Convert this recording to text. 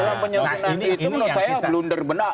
dalam penyelesaian nanti itu menurut saya blunder benak